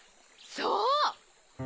そう！